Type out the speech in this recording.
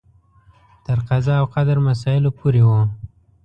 تر قضا او قدر مسایلو پورې و.